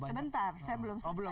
sebentar saya belum selesai